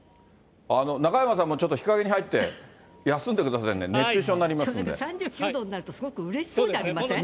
中山さんもちょっと日陰に入って、休んでくださいね、熱中症３９度になると、すごくうれしそうじゃありません？